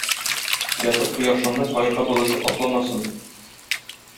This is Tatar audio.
Бәхет кояшыңны кайгы болыты капламасын.